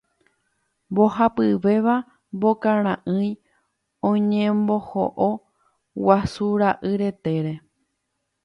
Mbohapyvéva mbokara'ỹi oñemboho'o guasu ra'y retére.